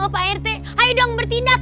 pak rt ayo dong bertindak